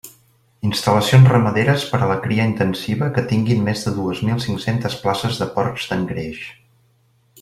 Instal·lacions ramaderes per a la cria intensiva que tinguin més de dues mil cinc-centes places de porcs d'engreix.